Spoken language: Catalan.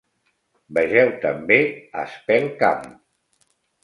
Vegeu també Espelkamp.